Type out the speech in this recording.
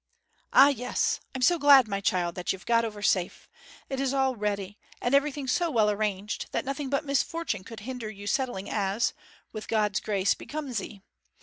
'Ah, yes, I'm so glad, my child, that you've got over safe. It is all ready, and everything so well arranged, that nothing but misfortune could hinder you settling as, with God's grace, becomes 'ee.